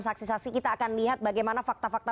saksisasi kita akan lihat bagaimana fakta fakta